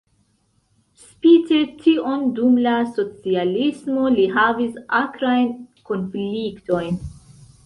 Spite tion dum la socialismo li havis akrajn konfliktojn.